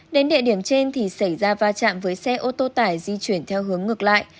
đến địa điểm trên thì xảy ra va chạm với xe ô tô tải di chuyển theo hướng ngược lại